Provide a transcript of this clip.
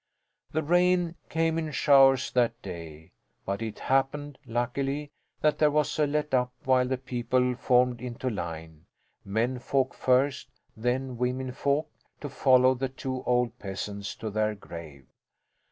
The rain came in showers that day, but it happened, luckily, that there was a let up while the people formed into line menfolk first, then womenfolk to follow the two old peasants to their grave.